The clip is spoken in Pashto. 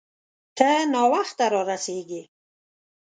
ته ناوخته را رسیږې